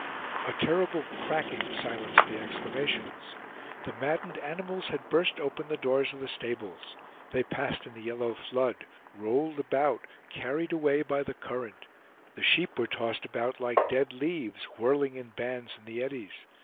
A terrible cracking silenced the exclamations. The maddened animals had burst open the doors of the stables. They passed in the yellow flood, rolled about, carried away by the current. The sheep were tossed about like dead leaves, whirling in bands in the eddies.